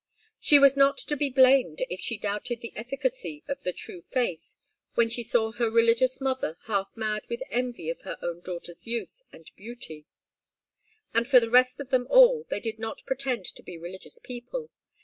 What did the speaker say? She was not to be blamed if she doubted the efficacy of the true faith, when she saw her religious mother half mad with envy of her own daughter's youth and beauty. As for the rest of them all, they did not pretend to be religious people.